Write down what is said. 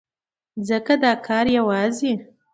ځکه دا کار يوازې